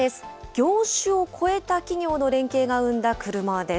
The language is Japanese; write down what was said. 業種を超えた企業の連携が生んだ車です。